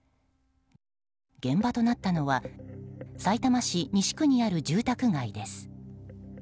現場となったのはさいたま市西区にある住宅街です。